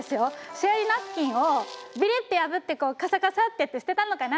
「生理ナプキンをビリッと破ってカサカサッてやって捨てたのかな？